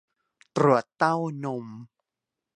ตรวจเต้านม